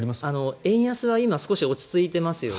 円安は今、少し落ち着いてますよね。